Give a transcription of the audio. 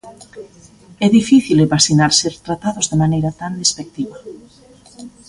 É difícil imaxinar ser tratados de maneira tan despectiva.